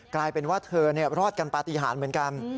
กลายเป็นว่าเธอรอดกันปฏิหารเหมือนกัน